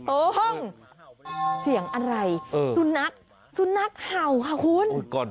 ห้องเสียงอะไรสุนัขสุนัขเห่าค่ะคุณ